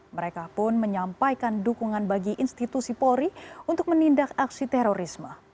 mereka pun menyampaikan dukungan bagi institusi polri untuk menindak aksi terorisme